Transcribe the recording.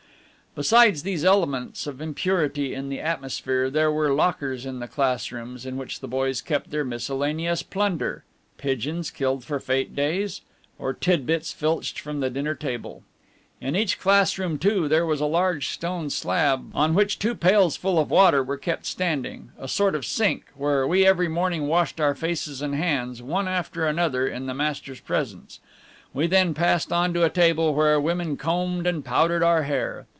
Besides these elements of impurity in the atmosphere, there were lockers in the classrooms in which the boys kept their miscellaneous plunder pigeons killed for fete days, or tidbits filched from the dinner table. In each classroom, too, there was a large stone slab, on which two pails full of water were kept standing, a sort of sink, where we every morning washed our faces and hands, one after another, in the master's presence. We then passed on to a table, where women combed and powdered our hair.